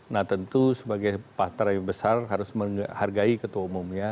nah tentu sebagai patra besar harus menghargai ketua umumnya